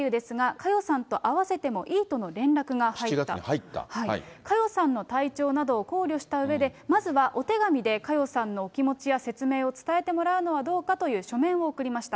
佳代さんの体調などを考慮したうえで、まずはお手紙で佳代さんのお気持ちや説明を伝えてもらうのはどうかという書面を送りました。